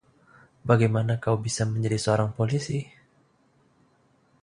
Bagaimana kau bisa menjadi seorang polisi?